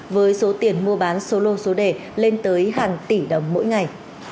với số tiền mua bán số lô số đề lên tới hàng tỷ đồng mỗi ngày